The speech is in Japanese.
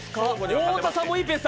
太田さんもいいペースだ。